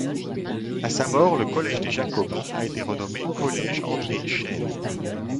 À sa mort, le collège des Jacobins a été renommé Collège André-Chène.